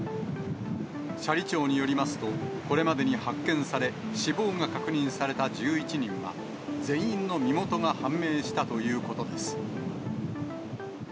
斜里町によりますと、これまでに発見され、死亡が確認された１１人は、全員の身元が判明したということです。